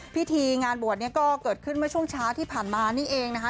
พิธีงานบวชเนี่ยก็เกิดขึ้นเมื่อช่วงเช้าที่ผ่านมานี่เองนะคะ